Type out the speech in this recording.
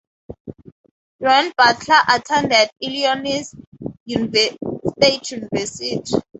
Duane Butler attended Illinois State University.